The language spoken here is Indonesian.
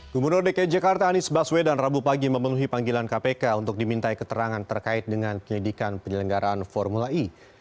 gubernur dki jakarta anies baswedan rabu pagi memenuhi panggilan kpk untuk dimintai keterangan terkait dengan penyidikan penyelenggaraan formula e